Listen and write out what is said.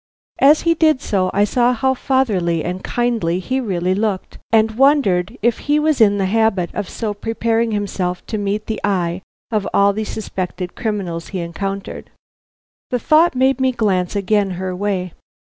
As he did so I saw how fatherly and kind he really looked, and wondered if he was in the habit of so preparing himself to meet the eye of all the suspected criminals he encountered. The thought made me glance again her way.